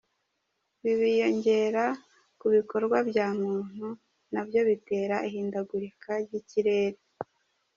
Ibi biyongera ku bikorwa bya muntu nabyo bitera ihindagurika ry’ikirere.